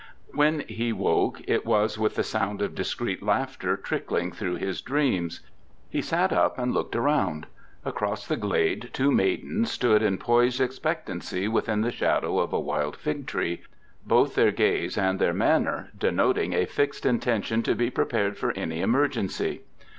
When he woke it was with the sound of discreet laughter trickling through his dreams. He sat up and looked around. Across the glade two maidens stood in poised expectancy within the shadow of a wild fig tree, both their gaze and their manner denoting a fixed intention to be prepared for any emergency.